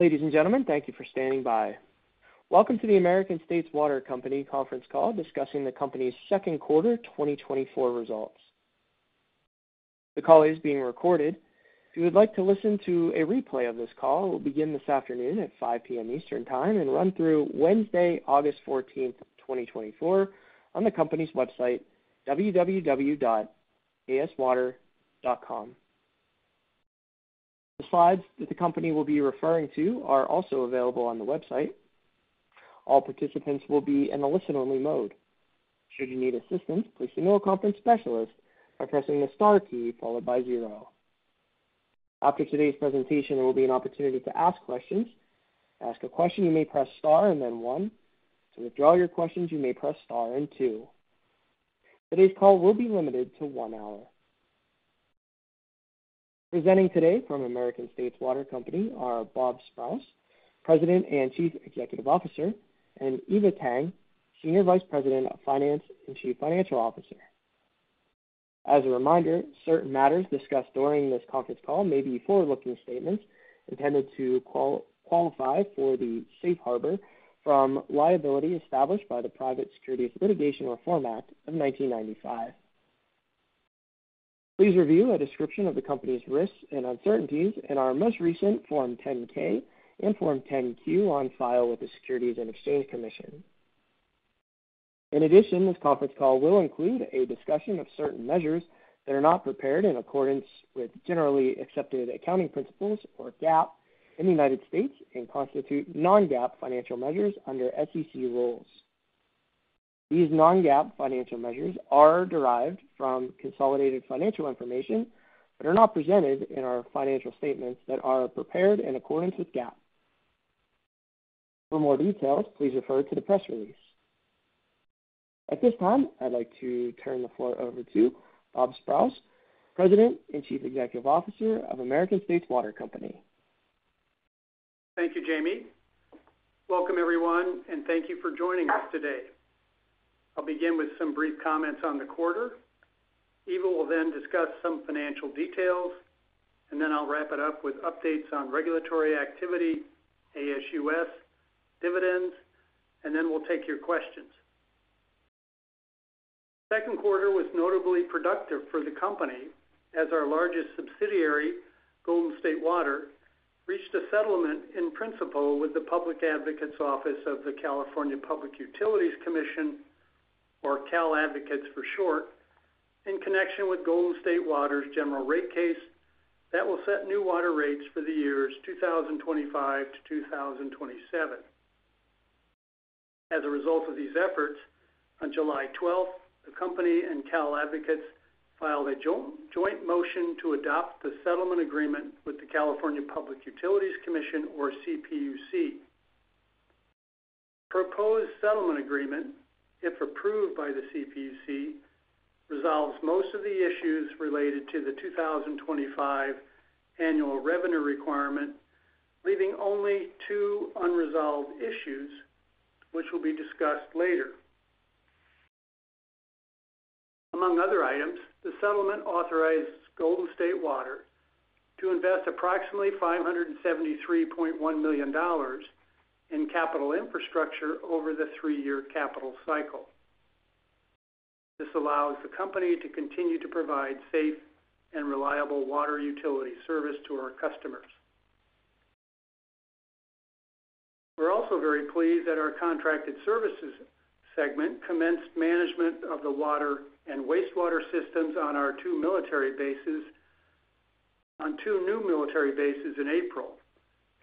Ladies and gentlemen, thank you for standing by. Welcome to the American States Water Company conference call discussing the company's second quarter 2024 results. The call is being recorded. If you would like to listen to a replay of this call, it will begin this afternoon at 5:00 P.M. Eastern Time and run through Wednesday, August 14, 2024, on the company's website, www.aswater.com. The slides that the company will be referring to are also available on the website. All participants will be in a listen-only mode. Should you need assistance, please email a conference specialist by pressing the star key followed by zero. After today's presentation, there will be an opportunity to ask questions. To ask a question, you may press star, and then one. To withdraw your questions, you may press star and two. Today's call will be limited to one hour. Presenting today from American States Water Company are Bob Sprowls, President and Chief Executive Officer, and Eva Tang, Senior Vice President of Finance and Chief Financial Officer. As a reminder, certain matters discussed during this conference call may be forward-looking statements intended to qualify for the safe harbor from liability established by the Private Securities Litigation Reform Act of 1995. Please review a description of the company's risks and uncertainties in our most recent Form 10-K and Form 10-Q on file with the Securities and Exchange Commission. In addition, this conference call will include a discussion of certain measures that are not prepared in accordance with generally accepted accounting principles, or GAAP, in the United States and constitute non-GAAP financial measures under SEC rules. These non-GAAP financial measures are derived from consolidated financial information, but are not presented in our financial statements that are prepared in accordance with GAAP. For more details, please refer to the press release. At this time, I'd like to turn the floor over to Bob Sprowls, President and Chief Executive Officer of American States Water Company. Thank you, Jamie. Welcome, everyone, and thank you for joining us today. I'll begin with some brief comments on the quarter. Eva will then discuss some financial details, and then I'll wrap it up with updates on regulatory activity, ASUS, dividends, and then we'll take your questions. Second quarter was notably productive for the company as our largest subsidiary, Golden State Water, reached a settlement in principle with the Public Advocates Office of the California Public Utilities Commission, or Cal Advocates for short, in connection with Golden State Water's general rate case that will set new water rates for the years 2025 to 2027. As a result of these efforts, on July 12, the company and Cal Advocates filed a joint motion to adopt the settlement agreement with the California Public Utilities Commission, or CPUC. Proposed settlement agreement, if approved by the CPUC, resolves most of the issues related to the 2025 annual revenue requirement, leaving only two unresolved issues, which will be discussed later. Among other items, the settlement authorizes Golden State Water to invest approximately $573.1 million in capital infrastructure over the three-year capital cycle. This allows the company to continue to provide safe and reliable water utility service to our customers. We're also very pleased that our contracted services segment commenced management of the water and wastewater systems on our two military bases, on two new military bases in April,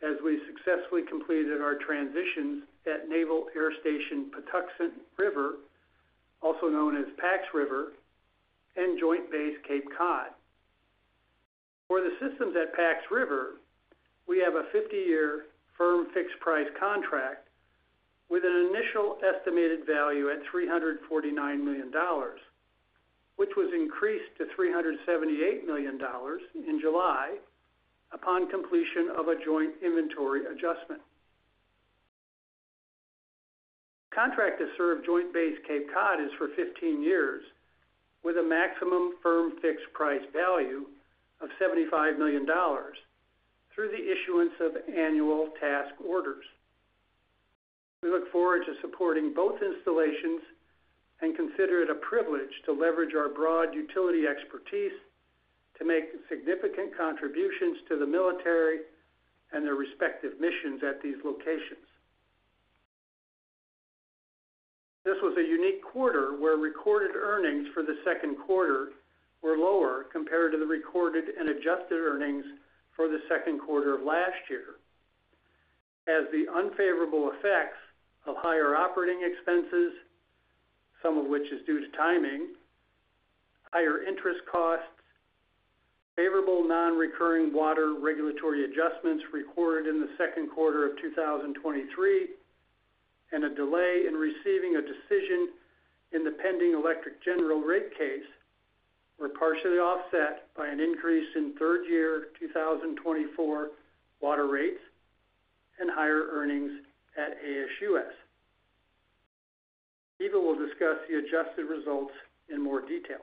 as we successfully completed our transitions at Naval Air Station Patuxent River, also known as Pax River, and Joint Base Cape Cod. For the systems at Pax River, we have a 50-year firm fixed-price contract with an initial estimated value at $349 million, which was increased to $378 million in July upon completion of a joint inventory adjustment. Contract to serve Joint Base Cape Cod is for 15 years, with a maximum firm fixed price value of $75 million through the issuance of annual task orders. We look forward to supporting both installations and consider it a privilege to leverage our broad utility expertise to make significant contributions to the military and their respective missions at these locations. This was a unique quarter where recorded earnings for the second quarter were lower compared to the recorded and adjusted earnings for the second quarter of last year, as the unfavorable effects of higher operating expenses, some of which is due to timing, higher interest costs, favorable non-recurring water regulatory adjustments recorded in the second quarter of 2023, and a delay in receiving a decision in the pending electric general rate case were partially offset by an increase in third-year 2024 water rates and higher earnings at ASUS. Eva will discuss the adjusted results in more detail.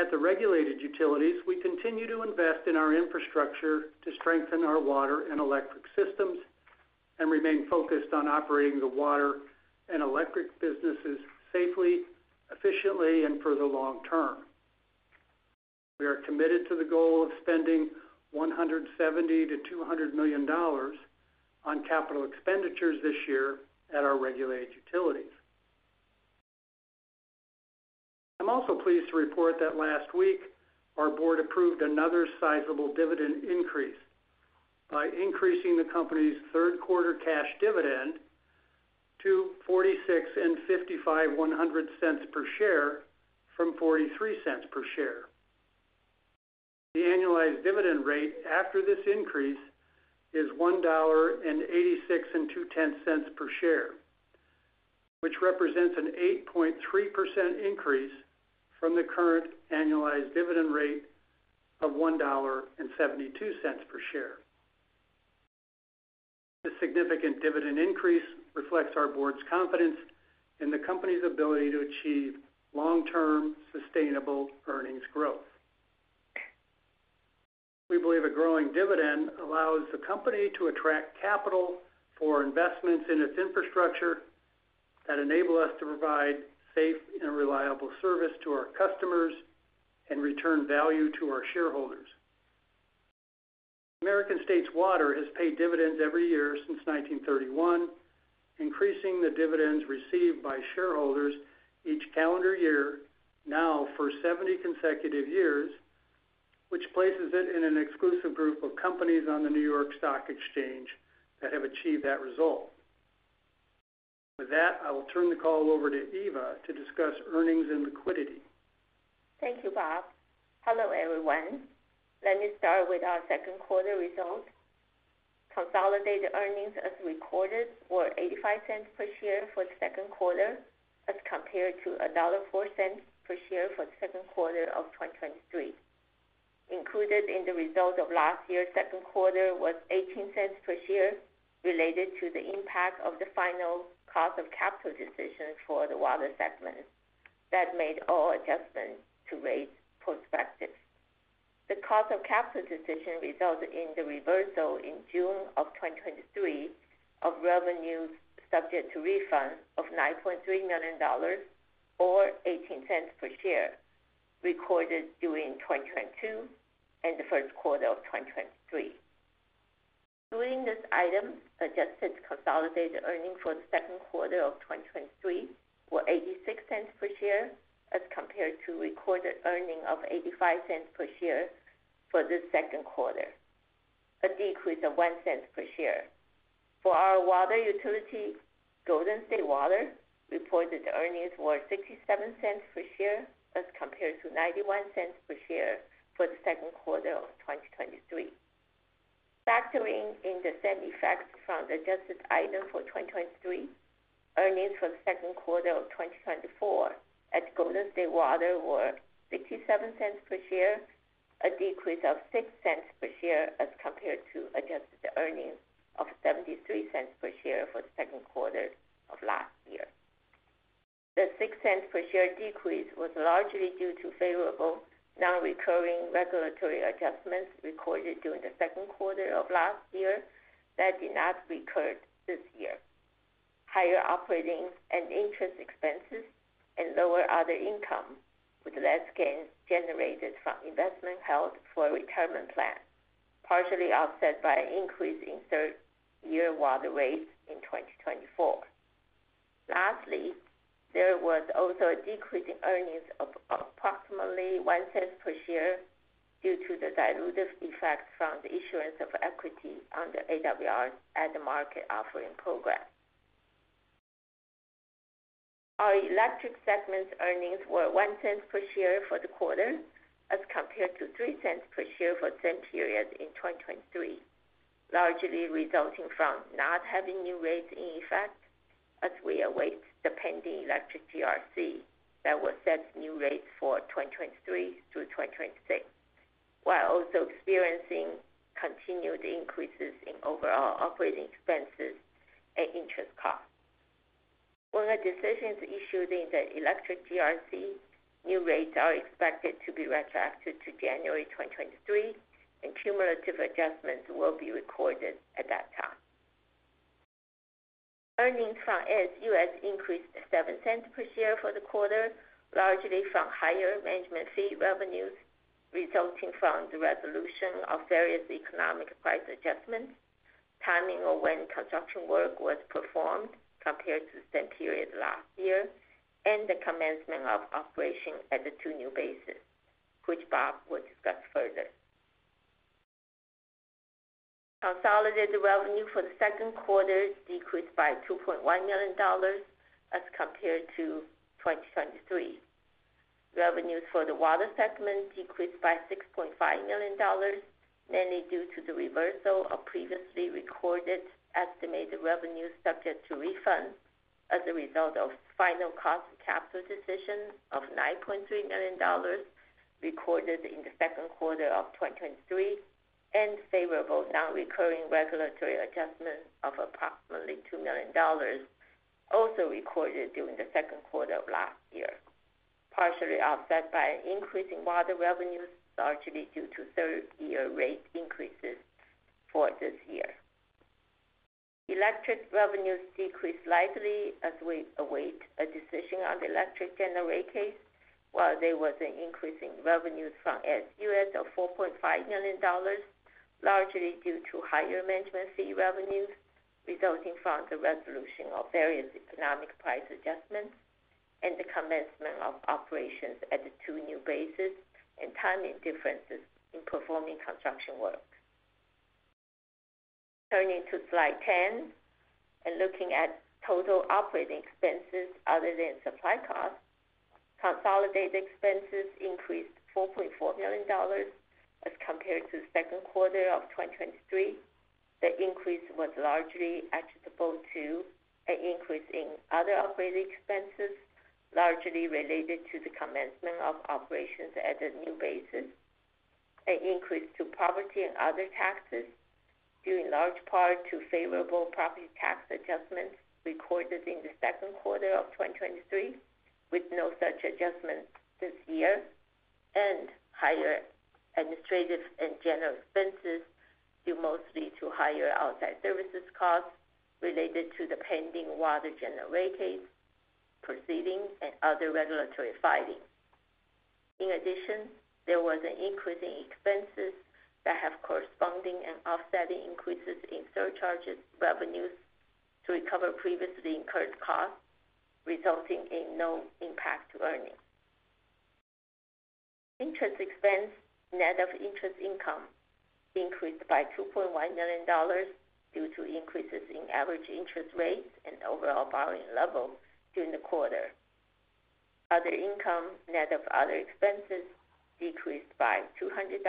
At the regulated utilities, we continue to invest in our infrastructure to strengthen our water and electric systems, and remain focused on operating the water and electric businesses safely, efficiently, and for the long term. We are committed to the goal of spending $170 million-$200 million on capital expenditures this year at our regulated utilities. I'm also pleased to report that last week, our board approved another sizable dividend increase by increasing the company's third quarter cash dividend to $0.4655 per share from $0.43 per share. The annualized dividend rate after this increase is $1.862 per share, which represents an 8.3% increase from the current annualized dividend rate of $1.72 per share. This significant dividend increase reflects our board's confidence in the company's ability to achieve long-term, sustainable earnings growth. We believe a growing dividend allows the company to attract capital for investments in its infrastructure that enable us to provide safe and reliable service to our customers and return value to our shareholders. American States Water has paid dividends every year since 1931, increasing the dividends received by shareholders each calendar year, now for 70 consecutive years, which places it in an exclusive group of companies on the New York Stock Exchange that have achieved that result. With that, I will turn the call over to Eva to discuss earnings and liquidity. Thank you, Bob. Hello, everyone. Let me start with our second quarter results. Consolidated earnings as recorded were $0.85 per share for the second quarter, as compared to $1.04 per share for the second quarter of 2023. Included in the results of last year's second quarter was $0.18 per share related to the impact of the final cost of capital decision for the water segment. That made all adjustments to rates prospective. The cost of capital decision resulted in the reversal in June of 2023 of revenues subject to refunds of $9.3 million, or $0.18 per share, recorded during 2022 and the first quarter of 2023. During this item, adjusted consolidated earnings for the second quarter of 2023 were $0.86 per share, as compared to recorded earnings of $0.85 per share for the second quarter, a decrease of $0.01 per share. For our water utility, Golden State Water reported earnings were $0.67 per share, as compared to $0.91 per share for the second quarter of 2023. Factoring in the same effects from the adjusted item for 2023, earnings for the second quarter of 2024 at Golden State Water were $0.67 per share, a decrease of $0.06 per share, as compared to adjusted earnings of $0.73 per share for the second quarter of last year. The six cents per share decrease was largely due to favorable, nonrecurring regulatory adjustments recorded during the second quarter of last year that did not recur this year. Higher operating and interest expenses and lower other income, with less gains generated from investment held for retirement plans, partially offset by an increase in third-year water rates in 2024. Lastly, there was also a decrease in earnings of approximately 1 cent per share due to the dilutive effects from the issuance of equity under AWR at-the-market offering program. Our electric segment earnings were 1 cent per share for the quarter, as compared to 3 cents per share for the same period in 2023, largely resulting from not having new rates in effect, as we await the pending electric GRC that will set new rates for 2023 through 2026, while also experiencing continued increases in overall operating expenses and interest costs. When the decision is issued in the electric GRC, new rates are expected to be retroactive to January 2023, and cumulative adjustments will be recorded at that time. Earnings from ASUS increased $0.07 per share for the quarter, largely from higher management fee revenues resulting from the resolution of various economic price adjustments, timing of when construction work was performed compared to the same period last year, and the commencement of operation at the two new bases, which Bob will discuss further. Consolidated revenue for the second quarter decreased by $2.1 million as compared to 2023. Revenues for the water segment decreased by $6.5 million, mainly due to the reversal of previously recorded estimated revenues subject to refunds as a result of final cost of capital decisions of $9.3 million... recorded in the second quarter of 2023, and favorable nonrecurring regulatory adjustments of approximately $2 million, also recorded during the second quarter of last year, partially offset by an increase in water revenues, largely due to third-year rate increases for this year. Electric revenues decreased slightly as we await a decision on the electric general rate case, while there was an increase in revenues from ASUS of $4.5 million, largely due to higher management fee revenues resulting from the resolution of various economic price adjustments and the commencement of operations at the two new bases and timing differences in performing construction work. Turning to Slide 10, and looking at total operating expenses other than supply costs, consolidated expenses increased $4.4 million as compared to the second quarter of 2023. The increase was largely attributable to an increase in other operating expenses, largely related to the commencement of operations at the new bases, an increase to property and other taxes, due in large part to favorable property tax adjustments recorded in the second quarter of 2023, with no such adjustments this year, and higher administrative and general expenses, due mostly to higher outside services costs related to the pending water general rate case proceedings and other regulatory filings. In addition, there was an increase in expenses that have corresponding and offsetting increases in surcharges revenues to recover previously incurred costs, resulting in no impact to earnings. Interest expense, net of interest income, increased by $2.1 million due to increases in average interest rates and overall borrowing levels during the quarter. Other income, net of other expenses, decreased by $200,000,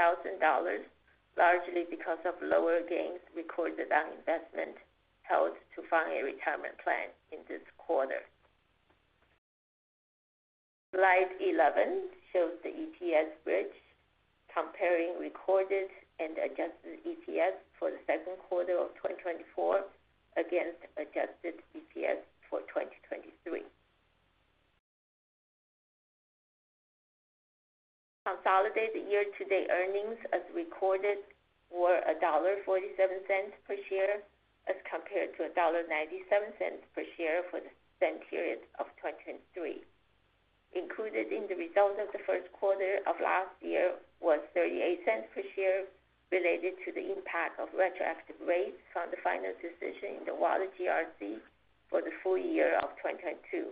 largely because of lower gains recorded on investment held to fund a retirement plan in this quarter. Slide 11 shows the EPS bridge comparing recorded and adjusted EPS for the second quarter of 2024 against adjusted EPS for 2023. Consolidated year-to-date earnings as recorded were $1.47 per share, as compared to $1.97 per share for the same period of 2023. Included in the results of the first quarter of last year was $0.38 per share related to the impact of retroactive rates from the final decision in the Water GRC for the full year of 2022,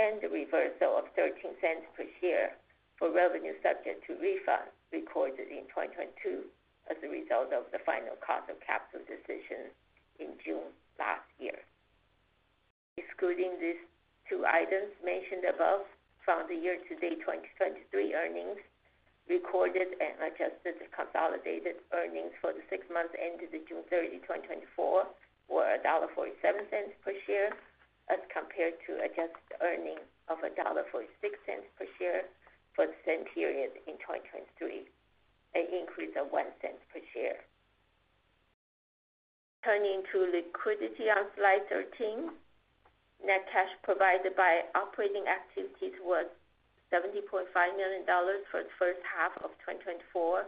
and a reversal of $0.13 per share for revenues subject to refund recorded in 2022 as a result of the final cost of capital decision in June last year. Excluding these two items mentioned above from the year-to-date 2023 earnings, recorded and adjusted consolidated earnings for the six months ended June 30, 2024, were $1.47 per share, as compared to adjusted earnings of $1.46 per share for the same period in 2023, an increase of $0.01 per share. Turning to liquidity on Slide 13, net cash provided by operating activities was $70.5 million for the first half of 2024,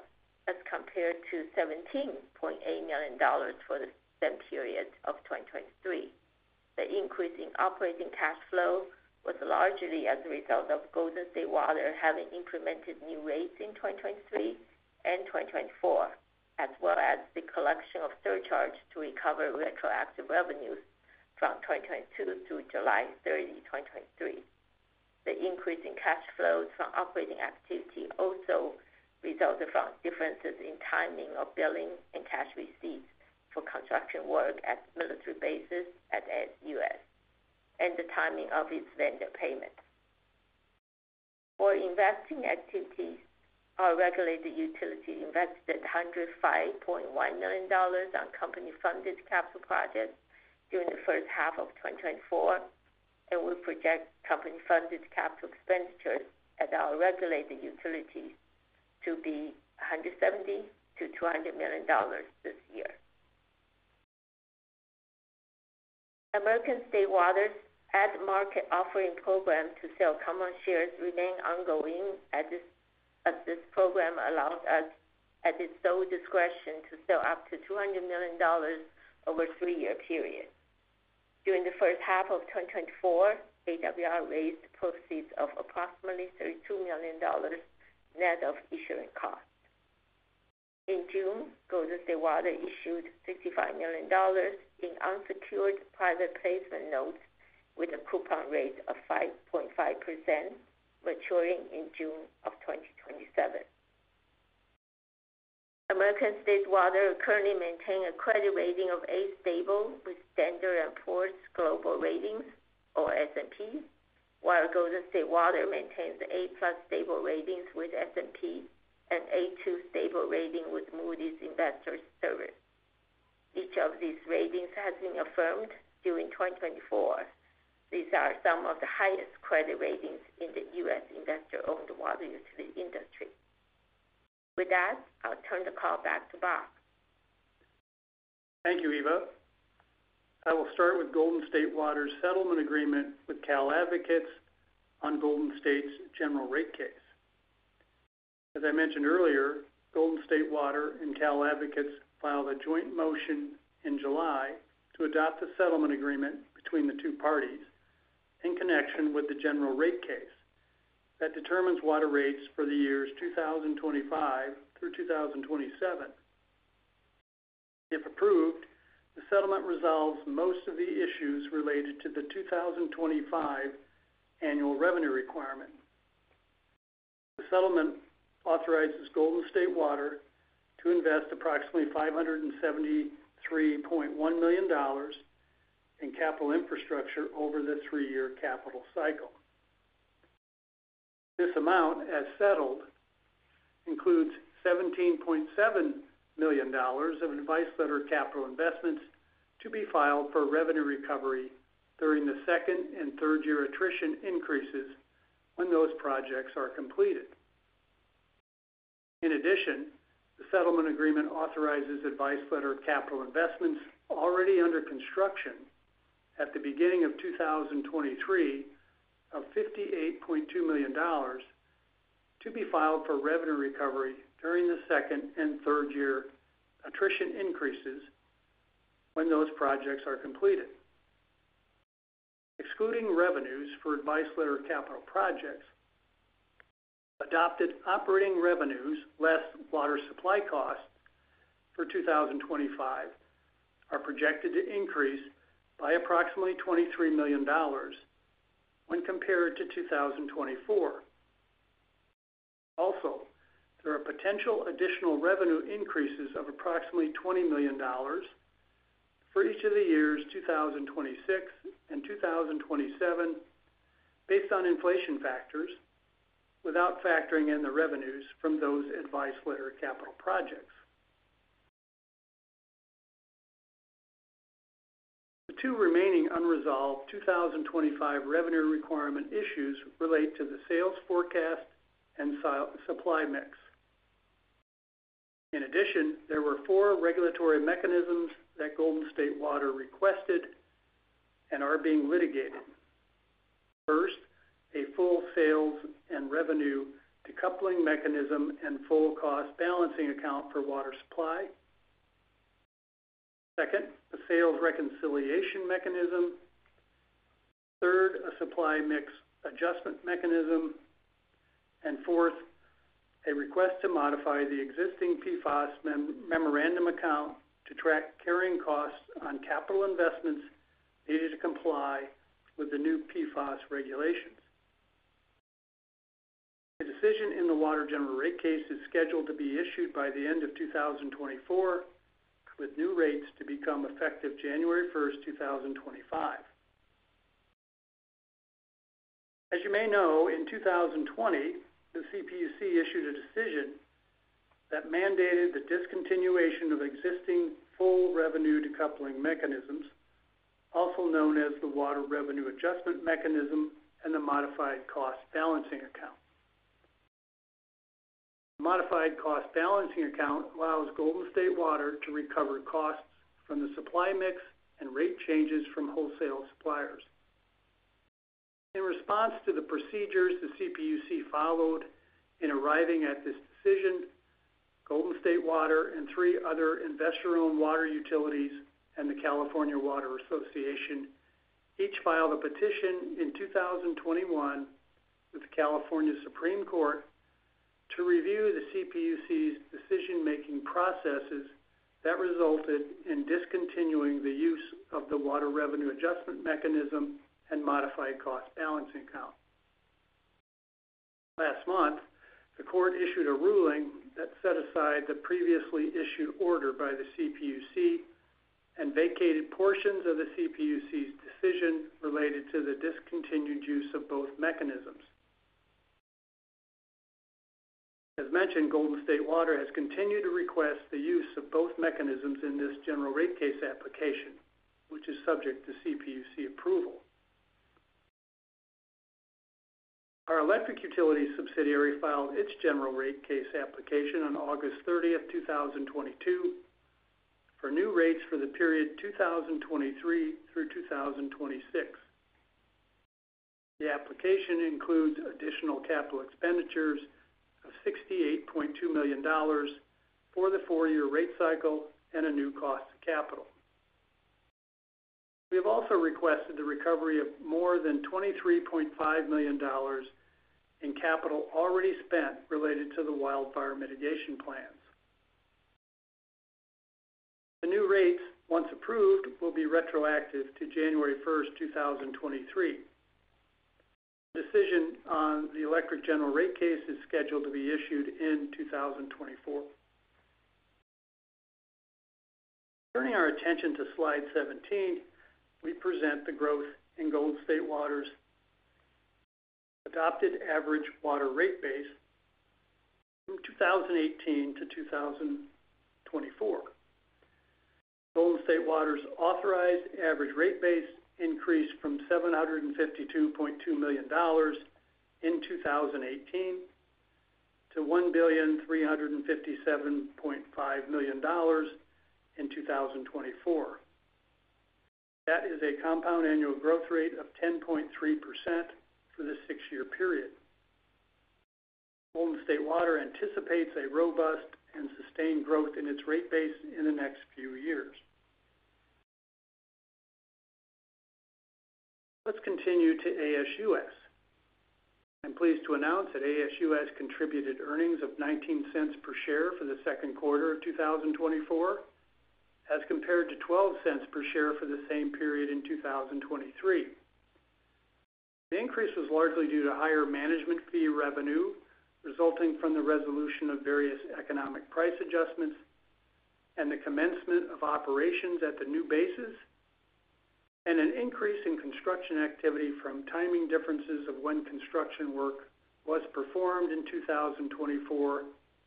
as compared to $17.8 million for the same period of 2023. The increase in operating cash flow was largely as a result of Golden State Water having implemented new rates in 2023 and 2024, as well as the collection of surcharge to recover retroactive revenues from 2022 through July 30, 2023. The increase in cash flows from operating activity also resulted from differences in timing of billing and cash receipts for construction work at military bases at ASUS, and the timing of its vendor payment. For investing activities, our regulated utility invested $105.1 million on company-funded capital projects during the first half of 2024, and we project company-funded capital expenditures at our regulated utilities to be $170 million-$200 million this year. American States Water's at-market offering program to sell common shares remains ongoing, as this program allows us, at its sole discretion, to sell up to $200 million over a three-year period. During the first half of 2024, AWR raised proceeds of approximately $32 million, net of issuing costs. In June, Golden State Water issued $65 million in unsecured private placement notes with a coupon rate of 5.5%, maturing in June of 2027. American States Water currently maintain a credit rating of A stable with S&P Global Ratings, or S&P, while Golden State Water maintains A+ stable ratings with S&P and A2 stable rating with Moody's Investors Service. Each of these ratings has been affirmed during 2024. These are some of the highest credit ratings in the U.S. investor-owned water utility industry. With that, I'll turn the call back to Bob. Thank you, Eva. I will start with Golden State Water's settlement agreement with Cal Advocates on Golden State's general rate case. As I mentioned earlier, Golden State Water and Cal Advocates filed a joint motion in July to adopt a settlement agreement between the two parties in connection with the general rate case that determines water rates for the years 2025 through 2027. If approved, the settlement resolves most of the issues related to the 2025 annual revenue requirement. The settlement authorizes Golden State Water to invest approximately $573.1 million in capital infrastructure over the three-year capital cycle. This amount, as settled, includes $17.7 million of advice letter capital investments to be filed for revenue recovery during the second- and third-year attrition increases when those projects are completed. In addition, the settlement agreement authorizes Advice Letter Capital Investments already under construction at the beginning of 2023 of $58.2 million to be filed for revenue recovery during the second- and third-year Attrition Increases when those projects are completed. Excluding revenues for Advice Letter Capital projects, adopted operating revenues, less water supply costs for 2025, are projected to increase by approximately $23 million when compared to 2024. Also, there are potential additional revenue increases of approximately $20 million for each of the years 2026 and 2027, based on inflation factors, without factoring in the revenues from those Advice Letter Capital projects. The two remaining unresolved 2025 revenue requirement issues relate to the Sales Forecast and Supply Mix. In addition, there were four regulatory mechanisms that Golden State Water requested and are being litigated. First, a full sales and revenue decoupling mechanism and full cost balancing account for water supply. Second, a sales reconciliation mechanism. Third, a supply mix adjustment mechanism, and fourth, a request to modify the existing PFAS memorandum account to track carrying costs on capital investments needed to comply with the new PFAS regulations. A decision in the water general rate case is scheduled to be issued by the end of 2024, with new rates to become effective January 1st 2025. As you may know, in 2020, the CPUC issued a decision that mandated the discontinuation of existing full revenue decoupling mechanisms, also known as the Water Revenue Adjustment Mechanism and the Modified Cost Balancing Account. The Modified Cost Balancing Account allows Golden State Water to recover costs from the supply mix and rate changes from wholesale suppliers. In response to the procedures the CPUC followed in arriving at this decision, Golden State Water and three other investor-owned water utilities and the California Water Association each filed a petition in 2021 with the California Supreme Court to review the CPUC's decision-making processes that resulted in discontinuing the use of the Water Revenue Adjustment Mechanism and Modified Cost Balancing Account. Last month, the court issued a ruling that set aside the previously issued order by the CPUC and vacated portions of the CPUC's decision related to the discontinued use of both mechanisms. As mentioned, Golden State Water has continued to request the use of both mechanisms in this general rate case application, which is subject to CPUC approval. Our electric utility subsidiary filed its general rate case application on August 30th, 2022, for new rates for the period 2023 through 2026. The application includes additional capital expenditures of $68.2 million for the four-year rate cycle and a new cost of capital. We have also requested the recovery of more than $23.5 million in capital already spent related to the wildfire mitigation plans. The new rates, once approved, will be retroactive to January 1st, 2023. Decision on the electric general rate case is scheduled to be issued in 2024. Turning our attention to slide 17, we present the growth in Golden State Water's... adopted average water rate base from 2018 to 2024. Golden State Water's authorized average rate base increased from $752.2 million in 2018 to $1,357.5 million in 2024. That is a compound annual growth rate of 10.3% for the six-year period. Golden State Water anticipates a robust and sustained growth in its rate base in the next few years. Let's continue to ASUS. I'm pleased to announce that ASUS contributed earnings of $0.19 per share for the second quarter of 2024, as compared to $0.12 per share for the same period in 2023. The increase was largely due to higher management fee revenue, resulting from the resolution of various economic price adjustments and the commencement of operations at the new bases, and an increase in construction activity from timing differences of when construction work was performed in 2024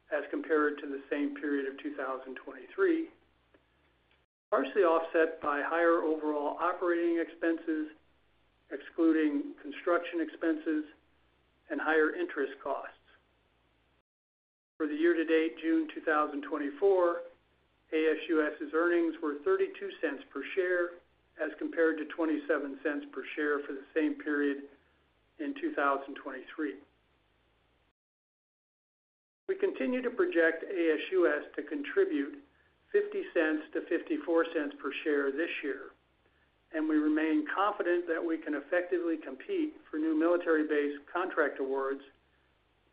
as compared to the same period of 2023, partially offset by higher overall operating expenses, excluding construction expenses and higher interest costs. For the year-to-date June 2024, ASUS's earnings were $0.32 per share, as compared to $0.27 per share for the same period in 2023. We continue to project ASUS to contribute $0.50-$0.54 per share this year, and we remain confident that we can effectively compete for new military-based contract awards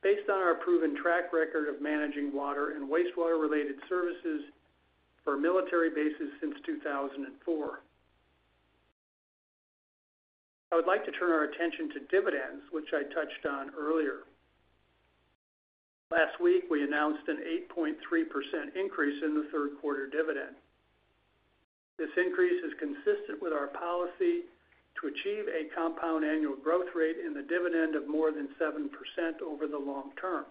based on our proven track record of managing water and wastewater-related services for military bases since 2004. I would like to turn our attention to dividends, which I touched on earlier. Last week, we announced an 8.3% increase in the third quarter dividend. This increase is consistent with our policy to achieve a compound annual growth rate in the dividend of more than 7% over the long term.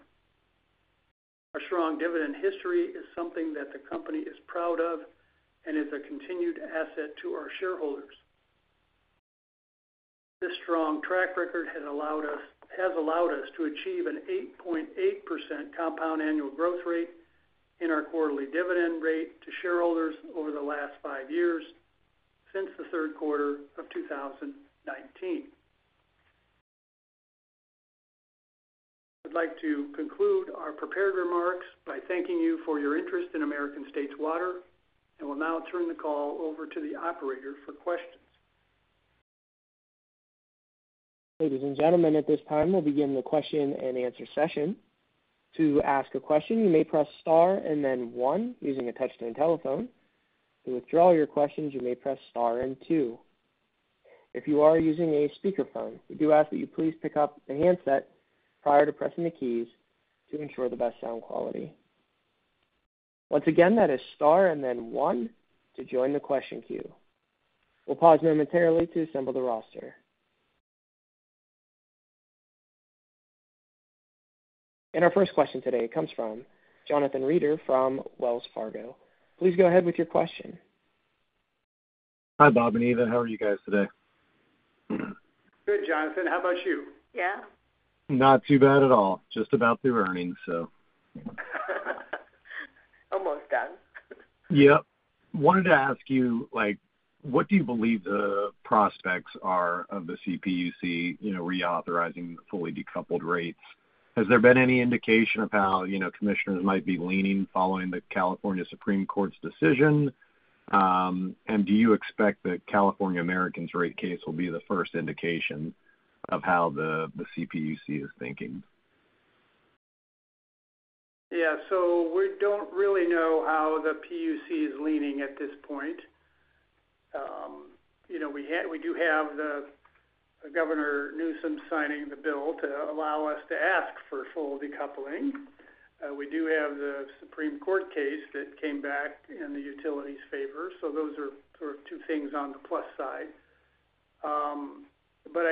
Our strong dividend history is something that the company is proud of and is a continued asset to our shareholders. This strong track record has allowed us, has allowed us to achieve an 8.8% compound annual growth rate in our quarterly dividend rate to shareholders over the last five years since the third quarter of 2019. I'd like to conclude our prepared remarks by thanking you for your interest in American States Water, and will now turn the call over to the operator for questions. Ladies and gentlemen, at this time, we'll begin the question-and-answer session. To ask a question, you may press star and then one using a touch-tone telephone. To withdraw your questions, you may press star and two. If you are using a speakerphone, we do ask that you please pick up the handset prior to pressing the keys to ensure the best sound quality. Once again, that is star and then one to join the question queue. We'll pause momentarily to assemble the roster. And our first question today comes from Jonathan Reeder from Wells Fargo. Please go ahead with your question. Hi, Bob and Eva. How are you guys today? Good, Jonathan, how about you? Yeah. Not too bad at all. Just about through earnings, so. Almost done. Yep. Wanted to ask you, like, what do you believe the prospects are of the CPUC, you know, reauthorizing the fully decoupled rates? Has there been any indication of how, you know, commissioners might be leaning following the California Supreme Court's decision? And do you expect that California American's rate case will be the first indication of how the, the CPUC is thinking? Yeah, so we don't really know how the PUC is leaning at this point. You know, we do have the Governor Newsom signing the bill to allow us to ask for full decoupling. We do have the Supreme Court case that came back in the utility's favor, so those are sort of two things on the plus side. But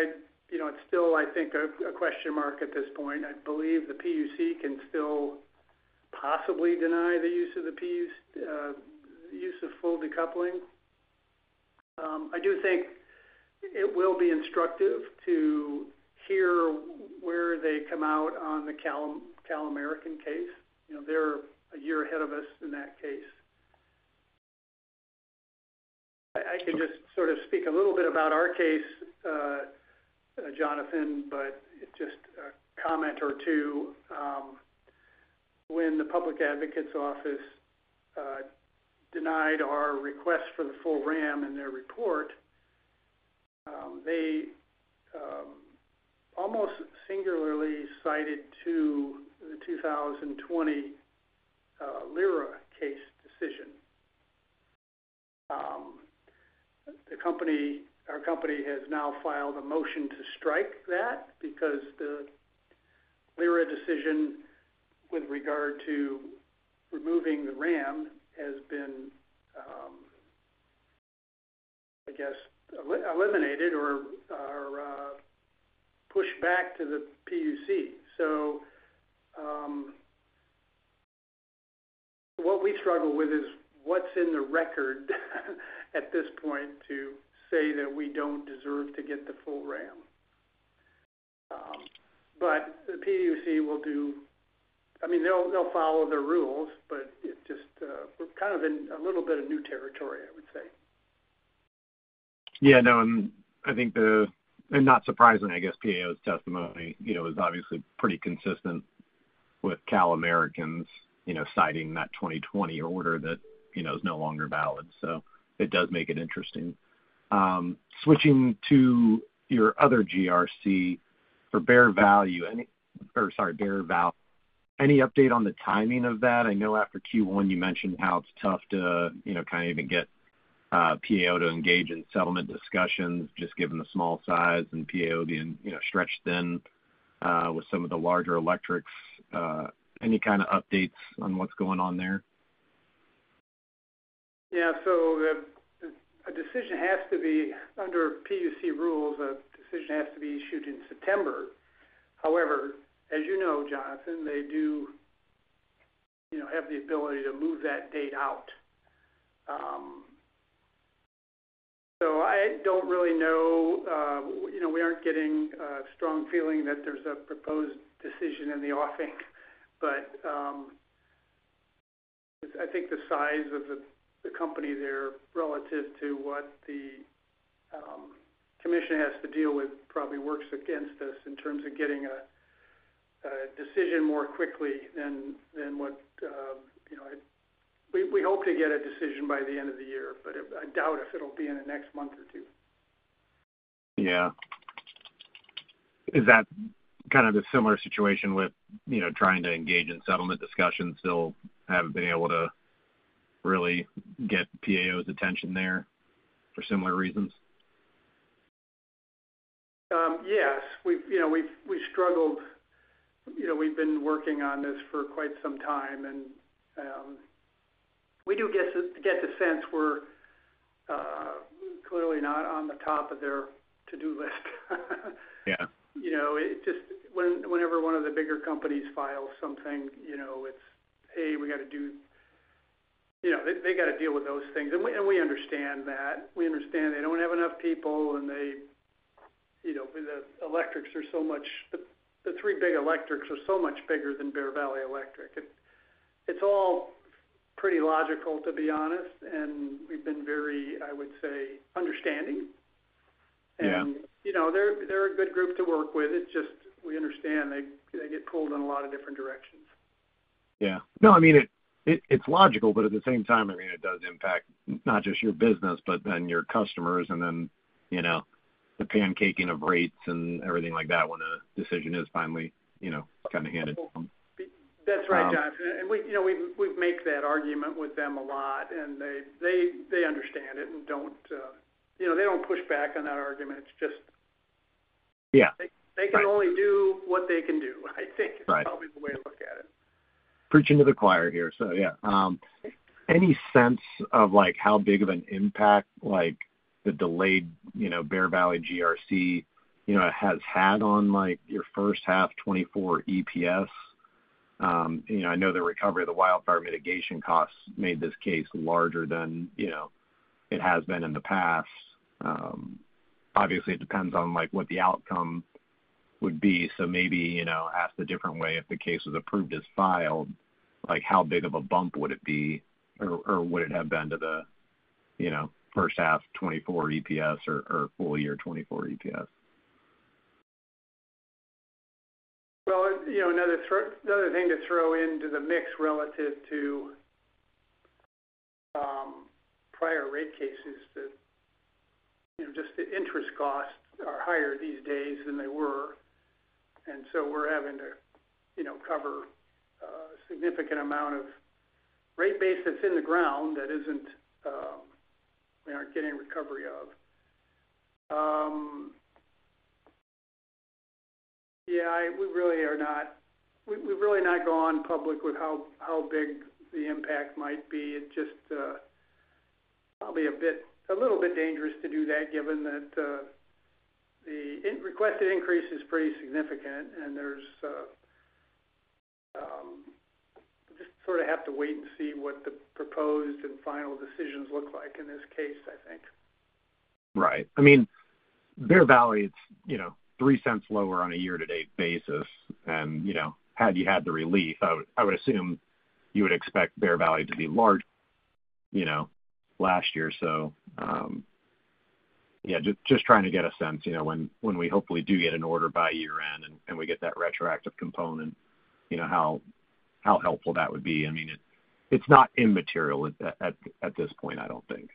you know, it's still, I think, a question mark at this point. I believe the PUC can still possibly deny the use of the P's use of full decoupling. I do think it will be instructive to hear where they come out on the Cal American case. You know, they're a year ahead of us in that case. I can just sort of speak a little bit about our case, Jonathan, but just a comment or two. When the public advocate's office denied our request for the full WRAM in their report, they almost singularly cited to the 2020 LIRA case decision. The company—our company has now filed a motion to strike that because the LIRA decision with regard to removing the WRAM has been, I guess, eliminated or pushed back to the PUC. So, what we struggle with is what's in the record at this point to say that we don't deserve to get the full WRAM. But the PUC will do—I mean, they'll, they'll follow the rules, but it just, we're kind of in a little bit of new territory, I would say. Yeah, no, and I think not surprising, I guess, PAO's testimony, you know, is obviously pretty consistent with California American Water, you know, citing that 2020 order that, you know, is no longer valid. So it does make it interesting. Switching to your other GRC for Bear Valley, any update on the timing of that? I know after Q1, you mentioned how it's tough to, you know, kind of even get PAO to engage in settlement discussions, just given the small size and PAO being, you know, stretched thin with some of the larger electrics. Any kind of updates on what's going on there? Yeah, so a decision has to be under PUC rules. A decision has to be issued in September. However, as you know, Jonathan, they do, you know, have the ability to move that date out. So I don't really know, you know, we aren't getting a strong feeling that there's a proposed decision in the offing, but I think the size of the company there, relative to what the commission has to deal with, probably works against us in terms of getting a decision more quickly than what you know. We hope to get a decision by the end of the year, but I doubt if it'll be in the next month or two. Yeah. Is that kind of a similar situation with, you know, trying to engage in settlement discussions, still haven't been able to really get PAO's attention there for similar reasons? Yes. We've, you know, struggled. You know, we've been working on this for quite some time, and we do get the sense we're clearly not on the top of their to-do list. Yeah. You know, it just—whenever one of the bigger companies files something, you know, it's, hey, we gotta—you know, they, they gotta deal with those things, and we, and we understand that. We understand they don't have enough people, and they, you know, the electrics are so much—the, the three big electrics are so much bigger than Bear Valley Electric. It, it's all pretty logical, to be honest, and we've been very, I would say, understanding. Yeah. You know, they're a good group to work with. It's just, we understand they get pulled in a lot of different directions. Yeah. No, I mean, it it's logical, but at the same time, I mean, it does impact not just your business, but then your customers and then, you know, the pancaking of rates and everything like that when a decision is finally, you know, kind of handed to them. That's right, Jonathan. And we, you know, make that argument with them a lot, and they understand it and don't, you know, they don't push back on that argument. It's just- Yeah. They can only do what they can do, I think- Right. is probably the way to look at it. Preaching to the choir here, so yeah. Any sense of, like, how big of an impact, like, the delayed, you know, Bear Valley GRC, you know, has had on, like, your first half 2024 EPS? You know, I know the recovery of the wildfire mitigation costs made this case larger than, you know, it has been in the past. Obviously, it depends on, like, what the outcome would be. So maybe, you know, asked a different way, if the case was approved as filed, like, how big of a bump would it be or, or would it have been to the, you know, first half 2024 EPS or, or full year 2024 EPS? Well, you know, another thing to throw into the mix relative to prior rate cases that, you know, just the interest costs are higher these days than they were, and so we're having to, you know, cover a significant amount of rate base that's in the ground that isn't, we aren't getting recovery of. Yeah, we really are not going public with how big the impact might be. It's just probably a bit, a little bit dangerous to do that, given that the requested increase is pretty significant, and there's just sort of have to wait and see what the proposed and final decisions look like in this case, I think. Right. I mean, Bear Valley, it's, you know, $0.03 lower on a year-to-date basis, and, you know, had you had the relief, I would, I would assume you would expect Bear Valley to be large, you know, last year. So, yeah, just trying to get a sense, you know, when we hopefully do get an order by year-end and we get that retroactive component, you know, how helpful that would be. I mean, it, it's not immaterial at this point, I don't think.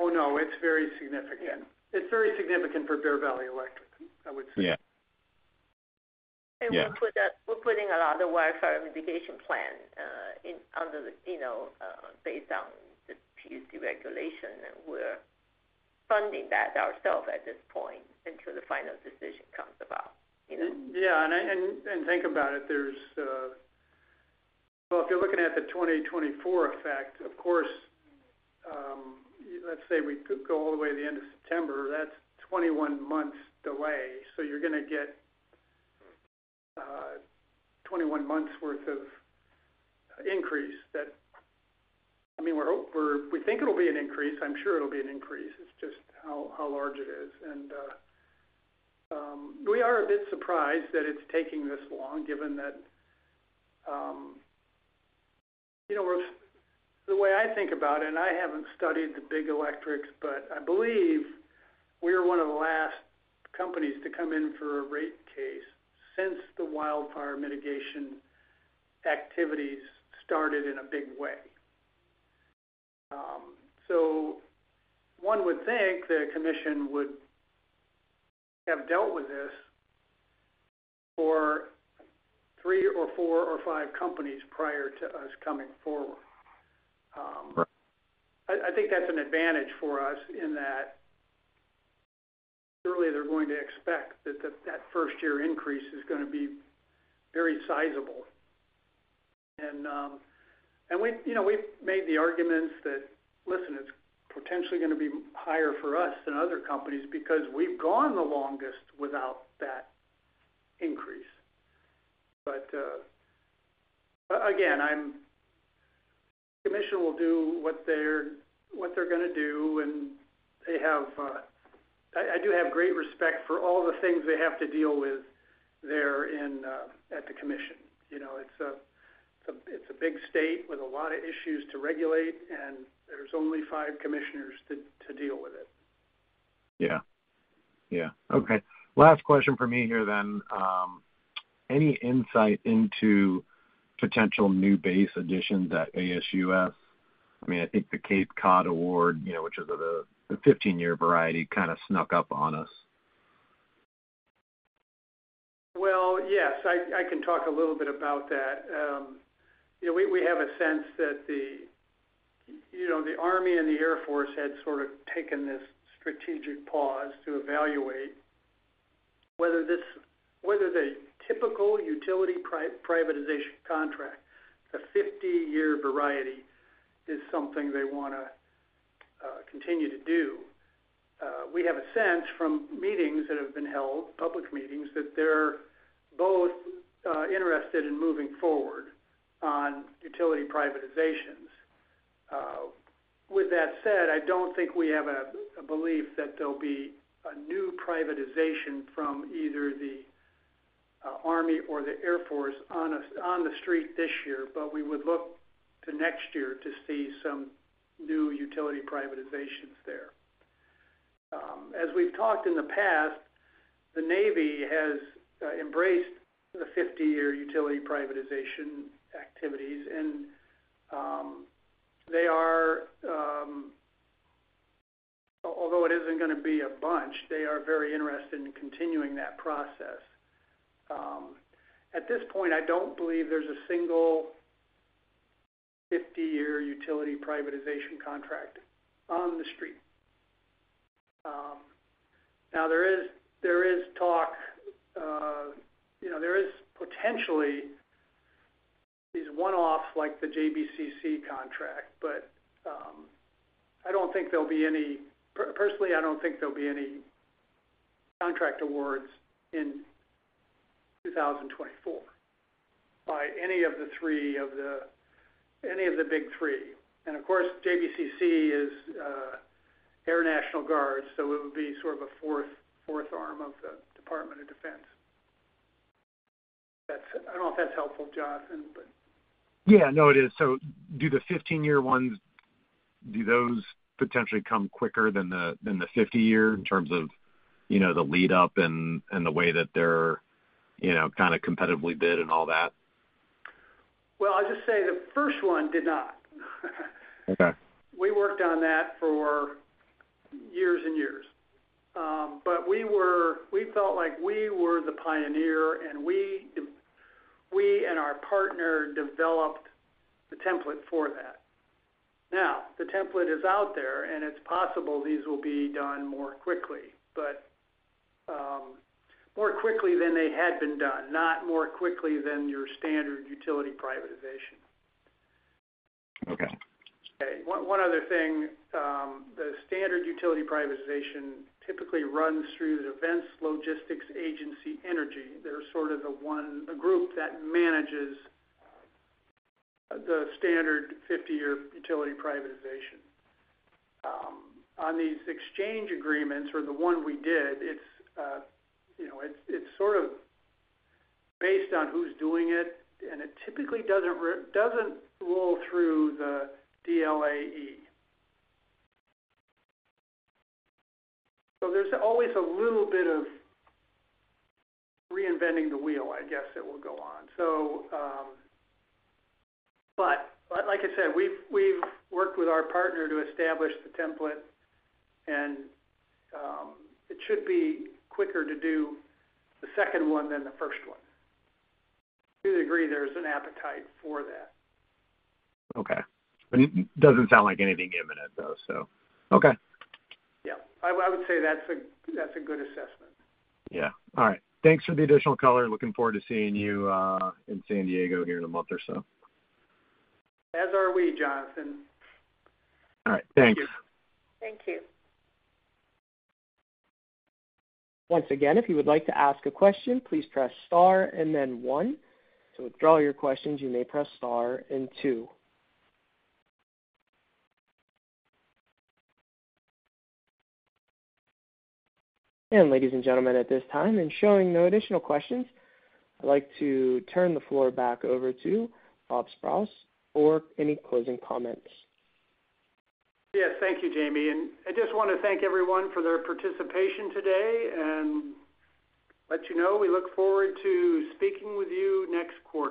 Oh, no, it's very significant. It's very significant for Bear Valley Electric, I would say. Yeah. Yeah. We're putting a lot of wildfire mitigation plan in under the, you know, based on the PUC regulation, and we're funding that ourselves at this point until the final decision comes about, you know? Yeah, and think about it, there's. Well, if you're looking at the 2024 effect, of course, let's say we could go all the way to the end of September, that's 21 months delay, so you're gonna get 21 months worth of increase. I mean, we're, we think it'll be an increase. I'm sure it'll be an increase. It's just how large it is. And we are a bit surprised that it's taking this long, given that, you know, the way I think about it, and I haven't studied the big electrics, but I believe we are one of the last companies to come in for a rate case since the wildfire mitigation activities started in a big way. One would think the commission would have dealt with this for three or four or five companies prior to us coming forward. I think that's an advantage for us in that surely they're going to expect that first-year increase is gonna be very sizable. And we, you know, we've made the arguments that, listen, it's potentially gonna be higher for us than other companies because we've gone the longest without that increase. But again, the commission will do what they're gonna do, and they have. I do have great respect for all the things they have to deal with there in at the commission. You know, it's a big state with a lot of issues to regulate, and there's only five commissioners to deal with it. Yeah. Yeah. Okay. Last question for me here then. Any insight into potential new base additions at ASUS? I mean, I think the Cape Cod Award, you know, which is the 15-year variety, kind of snuck up on us. Well, yes, I can talk a little bit about that. You know, we have a sense that the Army and the Air Force had sort of taken this strategic pause to evaluate whether this—whether the typical utility privatization contract, the 50-year variety, is something they wanna continue to do. We have a sense from meetings that have been held, public meetings, that they're both interested in moving forward on utility privatizations. With that said, I don't think we have a belief that there'll be a new privatization from either the Army or the Air Force on the street this year, but we would look to next year to see some new utility privatizations there. As we've talked in the past, the Navy has embraced the 50-year utility privatization activities, and although it isn't gonna be a bunch, they are very interested in continuing that process. At this point, I don't believe there's a single 50-year utility privatization contract on the street. Now, there is talk, you know, there is potentially these one-offs, like the JBCC contract, but I don't think there'll be any—personally, I don't think there'll be any contract awards in 2024 by any of the big three. And of course, JBCC is Air National Guard, so it would be sort of a fourth arm of the Department of Defense. That's—I don't know if that's helpful, Jonathan, but- Yeah, no, it is. So do the 15-year ones, do those potentially come quicker than the, than the 50-year in terms of, you know, the lead up and, and the way that they're, you know, kind of competitively bid and all that? Well, I'll just say the first one did not. Okay. We worked on that for years and years. But we felt like we were the pioneer, and we and our partner developed the template for that. Now, the template is out there, and it's possible these will be done more quickly, but more quickly than they had been done, not more quickly than your standard utility privatization. Okay. Okay, one other thing, the standard utility privatization typically runs through the Defense Logistics Agency Energy. They're sort of the one, a group that manages the standard 50-year utility privatization. On these exchange agreements or the one we did, it's, you know, it's sort of based on who's doing it, and it typically doesn't roll through the DLAE. So there's always a little bit of reinventing the wheel, I guess, that will go on. So, but like I said, we've worked with our partner to establish the template, and it should be quicker to do the second one than the first one. To a degree, there's an appetite for that. Okay. But doesn't sound like anything imminent, though, so okay. Yeah, I would say that's a good assessment. Yeah. All right. Thanks for the additional color. Looking forward to seeing you in San Diego here in a month or so. As are we, Jonathan. All right. Thanks. Thank you. Thank you. Once again, if you would like to ask a question, please press star and then one. To withdraw your questions, you may press star and two. And ladies and gentlemen, at this time, and showing no additional questions, I'd like to turn the floor back over to Bob Sprowls for any closing comments. Yes, thank you, Jamie, and I just want to thank everyone for their participation today, and let you know we look forward to speaking with you next quarter.